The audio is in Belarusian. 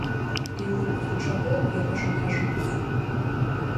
І ў выпадку чаго яго шантажуюць.